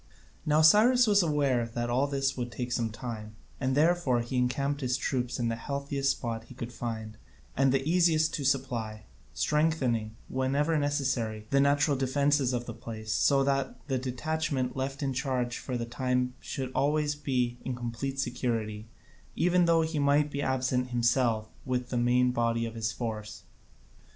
Now Cyrus was aware that all this would take some time, and therefore he encamped his troops in the healthiest spot he could find and the easiest to supply, strengthening, wherever necessary, the natural defences of the place, so that the detachment left in charge for the time should always be in complete security, even though he might be absent himself with the main body of his force.